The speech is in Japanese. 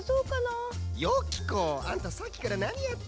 あんたさっきからなにやってるのよ。